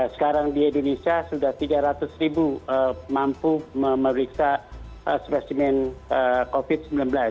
sekarang di indonesia sudah tiga ratus ribu mampu memeriksa spesimen covid sembilan belas